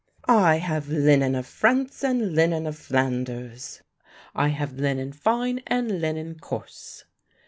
"I have linen of France and linen of Flanders; I have linen fine and linen coarse."